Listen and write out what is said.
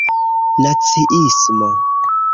naciismo